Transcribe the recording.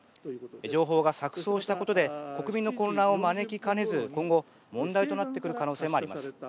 情報が錯そうしたことで国民の混乱を招きかねず今後、問題となってくる可能性もあります。